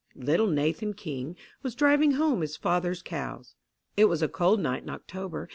LANE Little Nathan King was driving home his father's cows. It was a cold night in October.